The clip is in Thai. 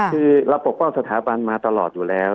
คือเราปกป้องสถาบันมาตลอดอยู่แล้ว